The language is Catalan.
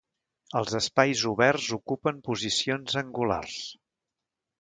Els espais oberts ocupen posicions angulars.